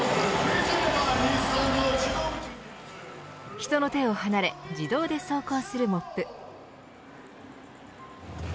人の手を離れ自動で走行するモップ。